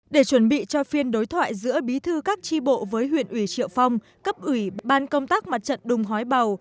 để chuẩn bị cho phiên đối thoại giữa bí thư các tri bộ với huyện ủy triệu phong cấp ủy ban công tác mặt trận đùng hoái bầu